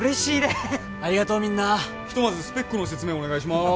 ひとまずスペックの説明お願いします。